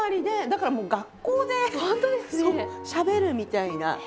だからもう学校でしゃべるみたいな。